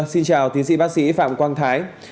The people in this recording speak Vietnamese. xin chào tiến sĩ bác sĩ phạm quang thái